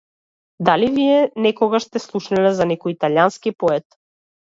Дали вие некогаш сте слушнале за некој италијански поет?